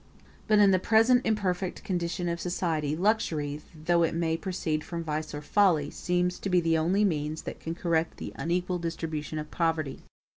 But in the present imperfect condition of society, luxury, though it may proceed from vice or folly, seems to be the only means that can correct the unequal distribution of property.